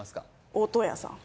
大戸屋さん